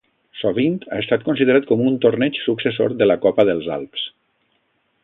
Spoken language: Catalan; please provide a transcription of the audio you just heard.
Sovint ha estat considerat com un torneig successor de la Copa dels Alps.